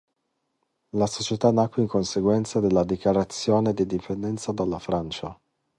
La società nacque in conseguenza della dichiarazione d'indipendenza dalla Francia.